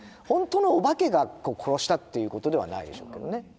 本当のお化けが殺したっていうことではないでしょうけどね。